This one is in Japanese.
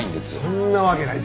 そんなわけない。